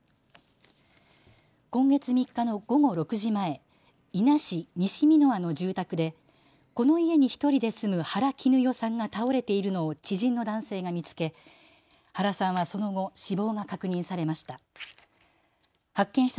今月３日の午後６時前、伊那市西箕輪の住宅でこの家に１人で住む原貴努代さんが倒れているのを知人の男性が見つけ原さんはその後、死亡が確認されました。